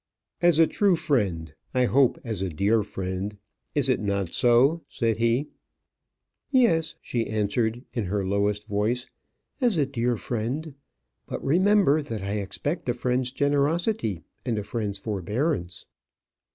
"As a true friend; I hope as a dear friend. Is it not so?" said he. "Yes," she answered, in her lowest voice, "as a dear friend. But remember that I expect a friend's generosity and a friend's forbearance."